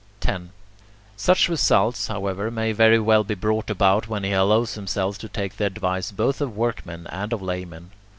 10. Such results, however, may very well be brought about when he allows himself to take the advice both of workmen and of laymen.